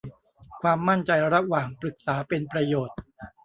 ความมั่นใจระหว่างปรึกษาเป็นประโยชน์